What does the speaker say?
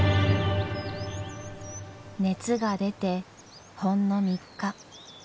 熱が出てほんの３日。